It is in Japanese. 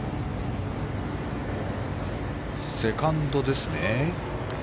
セカンドですね。